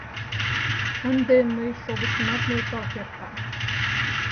— Ынде мый шовычымат нӧлтал кертам.